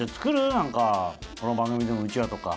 何かこの番組でもうちわとか。